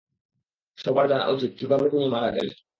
সবার জানা উচিৎ কীভাবে তিনি মারা গেলেন।